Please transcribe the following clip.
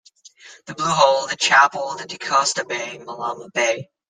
The Blue Hole, the Chapel, the Decosta Bay, Malama bay.